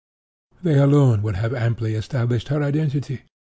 They alone would have amply established her identity.